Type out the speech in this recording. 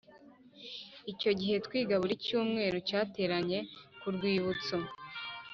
icyo gihe twiga buri cyumweru Yateranye ku Rwibutso